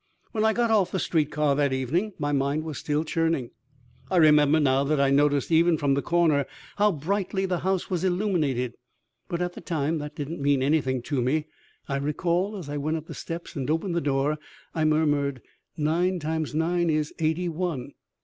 When I got off the street car that evening my mind was still churning. I remember now that I noticed, even from the corner, how brightly the house was illuminated, but at the time that didn't mean anything to me. I recall as I went up the steps and opened the door I murmured: "Nine times nine is eighty one!"